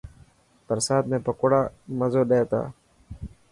برستا ۾ پڪوڙا مزو ڏي تا.